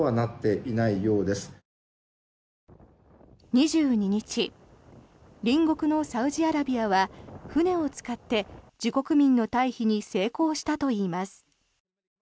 ２２日隣国のサウジアラビアは船を使って自国民の退避に成功したといいます。